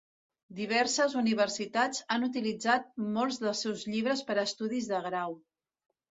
Diverses universitats han utilitzat molts dels seus llibres per a estudis de grau.